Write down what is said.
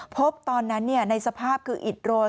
พบตอนนั้นในสภาพคืออิดโรย